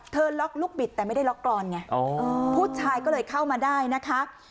ล็อกลูกบิดแต่ไม่ได้ล็อกกรอนไงผู้ชายก็เลยเข้ามาได้นะคะ